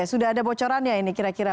sudah ada bocoran ya ini kira kira